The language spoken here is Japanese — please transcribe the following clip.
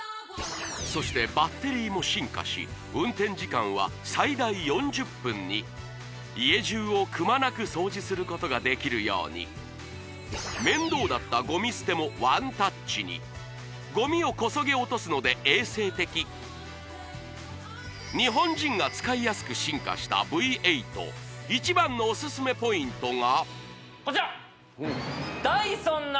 そしてバッテリーも進化し家じゅうをくまなく掃除することができるように面倒だったゴミ捨てもワンタッチにゴミをこそげ落とすので衛生的日本人が使いやすく進化したＶ８一番のおすすめポイントがこちら！